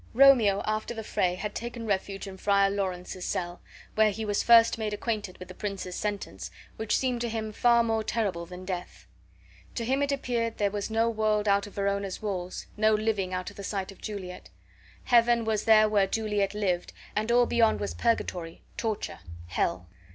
Romeo, after the fray, had taken refuge in Friar Lawrence's cell, where he was first made acquainted with the prince's sentence, which seemed to him far more terrible than death. To him it appeared there was no world out of Verona's walls, no living out of the sight of Juliet. Heaven was there where Juliet lived, and all beyond was purgatory, torture, hell.